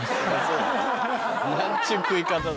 何ちゅう食い方だ。